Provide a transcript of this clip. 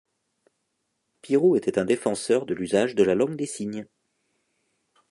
Piroux était un défenseur de l'usage de la langue des signes.